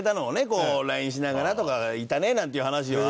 こうＬＩＮＥしながらとか「いたね」なんていう話は。